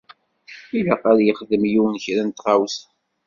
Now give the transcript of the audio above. Ilaq ad yexdem yiwen kra n tɣawsa.